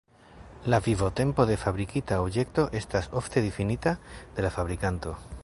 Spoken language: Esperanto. La vivotempo de fabrikita objekto estas ofte difinita de la fabrikanto.